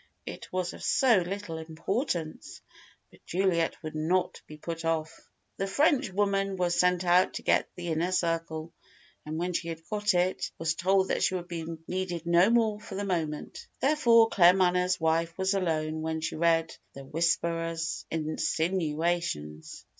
It was of so little importance! But Juliet would not be put off. The Frenchwoman was sent out to get the Inner Circle, and when she had got it, was told that she would be needed no more for the moment. Therefore Claremanagh's wife was alone when she read the "Whisperer's" insinuations.